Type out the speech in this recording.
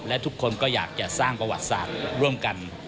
และทุกคนก็อยากจะสร้างประวัติศาสตร์ร่วมกัน